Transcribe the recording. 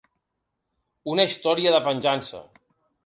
Una història de venjança.